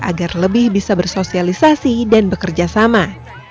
agar lebih bisa bersosialisasi dan bekerja sama